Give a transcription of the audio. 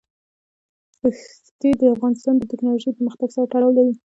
ښتې د افغانستان د تکنالوژۍ پرمختګ سره تړاو لري.